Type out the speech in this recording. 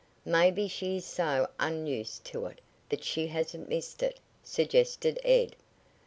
"Maybe she is so unused to it that she hasn't missed it," suggested Ed.